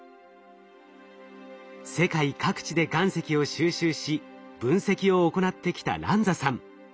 世界各地で岩石を収集し分析を行ってきたランザさん。